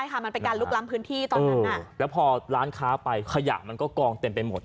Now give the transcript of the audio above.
ใช่ค่ะมันเป็นการลุกล้ำพื้นที่ตอนนั้นแล้วพอร้านค้าไปขยะมันก็กองเต็มไปหมด